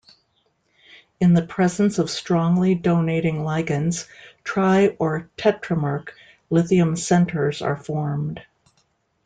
In the presence of strongly donating ligands, tri- or tetramerc lithium centers are formed.